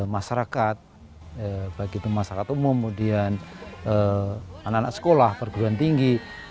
masyarakat baik itu masyarakat umum kemudian anak anak sekolah perguruan tinggi